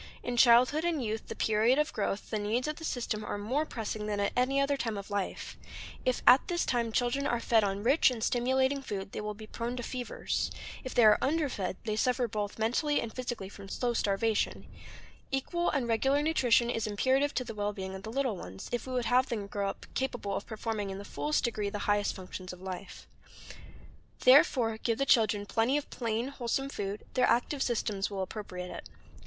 In childhood and youth, the period of growth, the needs of the system are more pressing than at any other time of life; if at this time children are fed on rich and stimulating food, they will be prone to fevers; if they are underfed they suffer both mentally and physically from slow starvation; equal and regular nutrition is imperative to the well being of the little ones, if we would have them grow up capable of performing in the fullest degree the highest functions of life. Therefore give the children plenty of plain, wholesome food; their active systems will appropriate it.